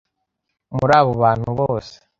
Muri abo bantu bose,